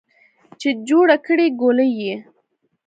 چې جوړه کړې ګولۍ یې